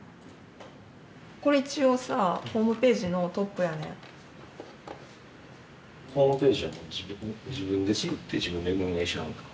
これ一応さホームページのトップやねんホームページはもう自分で作って自分で運営しはるんですか？